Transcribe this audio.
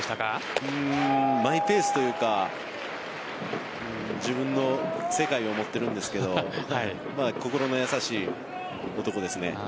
マイペースというか自分の世界を持っているんですけど心の優しい男ですね。